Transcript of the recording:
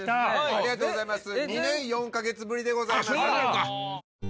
ありがとうございます。